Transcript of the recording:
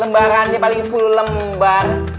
lembarannya paling sepuluh lembar